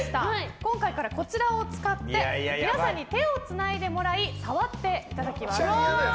今回からこちらを使って皆さんに手をつないでもらい触っていただきます。